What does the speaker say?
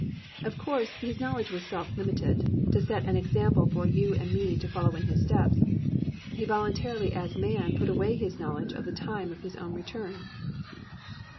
"+ Of course, His knowledge was self limited: to set an example for you and me to follow in His steps, He voluntarily as man put away His knowledge of the time of His own return.